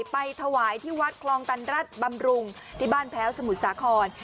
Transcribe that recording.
ไปถวายที่วัดคลองตันรัฐบำรุงที่บ้านแพ้วสมุทรสาคร